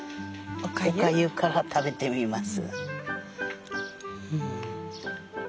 お粥から食べてみます。